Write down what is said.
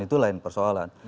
itu lain persoalan